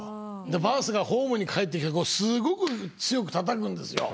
バースがホームに帰ってきてすごく強くたたくんですよ！